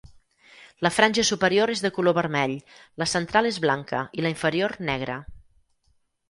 La franja superior és de color vermell, la central és blanca i la inferior negra.